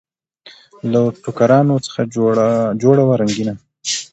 له ټوکرانو څخه جوړه وه رنګینه